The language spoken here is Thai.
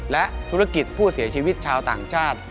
และธุรกิจผู้เสียชีวิตชาวต่างชาติ